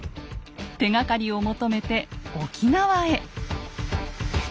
手がかりを求めて沖縄へ。